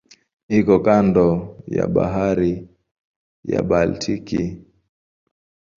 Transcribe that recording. Iko kando ya Bahari ya Baltiki.